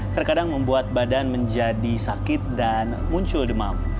terkadang membuat badan menjadi sakit dan muncul demam